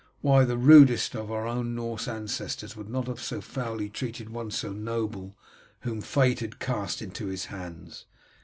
Why, the rudest of our own Norse ancestors would not have so foully treated one so noble whom fate had cast into his hands.